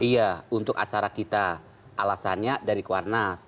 iya untuk acara kita alasannya dari kuarnas